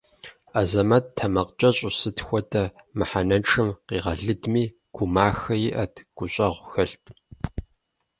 Азэмэт тэмакъкӏэщӏу, сыт хуэдэ мыхьэнэншэм къигъэлыдми, гумахэ иӏэт, гущӏэгъу хэлът.